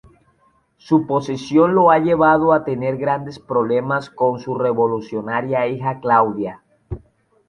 Su posición lo ha llevado a tener grandes problemas con su revolucionaria hija Claudia.